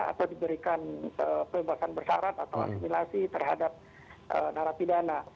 atau diberikan pembebasan bersarat atau asimilasi terhadap narapi dana